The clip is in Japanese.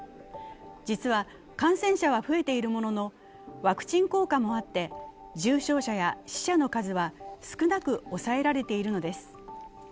実は、感染者は増えているもののワクチン効果もあって重症者や死者の数は少なく抑えられているのです。